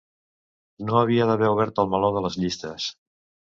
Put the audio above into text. No havia d'haver obert el meló de les llistes.